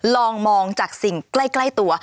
ลองมองจากสิ่งใกล้ตัว